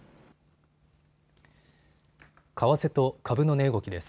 為替と株の値動きです。